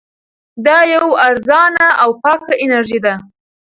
دا یوه ارزانه او پاکه انرژي ده.